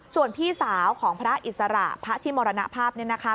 ส่วนพี่สาวของพระอิสระพระที่มรณภาพเนี่ยนะคะ